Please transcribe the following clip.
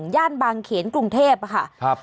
ย่านบางเขนกรุงเทพค่ะ